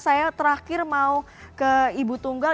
saya terakhir mau ke ibu tunggal